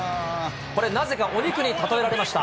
これ、なぜかお肉に例えられました。